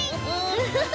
フフフ。